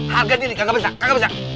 harganya ini gak bisa